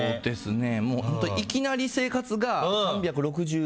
もういきなり生活が３６０。